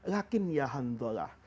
lakin ya handallah